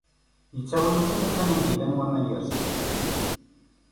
Ittawi-yi s imukan anda i llan waman yersen.